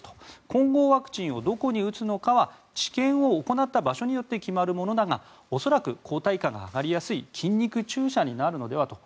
混合ワクチンをどこに打つのかは治験を行った場所によって決まるものだが恐らく抗体価が上がりやすい筋肉注射になるのではと。